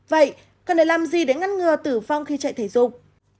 vậy cần để làm gì để ngăn ngừa tử vong khi chạy thể dục